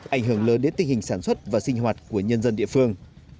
ảnh hưởng lớn đến tình hình sản xuất và sinh hoạt của nhân dân địa phương